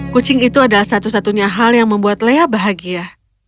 kucing itu adalah satu satunya hal yang membuat lea bahagia